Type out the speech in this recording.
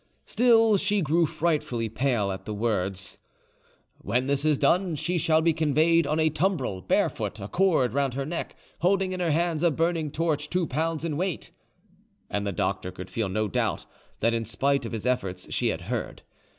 Still she grew frightfully pale at the words, "When this is done, she shall be conveyed on a tumbril, barefoot, a cord round her neck, holding in her hands a burning torch two pounds in weight," and the doctor could feel no doubt that in spite of his efforts she had heard.